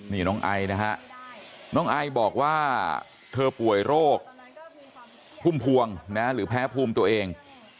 นี่น้องไอนะฮะน้องไอบอกว่าเธอป่วยโรคพุ่มพวงนะหรือแพ้ภูมิตัวเอง